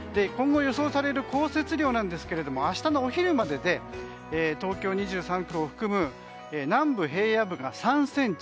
今後、予想される降雪量なんですが明日のお昼までで東京２３区を含む南部平野部が３ｃｍ。